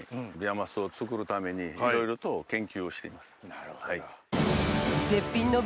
なるほど。